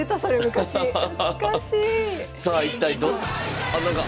さあ一体ど。